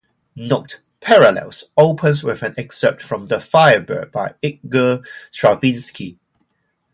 Note: "Parallels" opens with an excerpt from "The Firebird" by Igor Stravinsky.